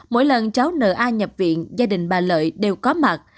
mỗi lần cháu nợ a nhập viện gia đình bà lợi đều có mặt